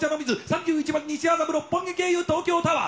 ３１番西麻布六本木経由東京タワー。